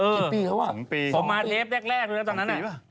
เออ๒ปีแล้วผมมาเทปแรกตอนนั้นอะ